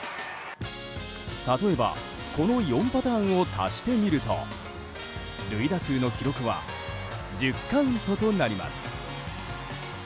例えばこの４パターンを足してみると塁打数の記録は１０カウントとなります。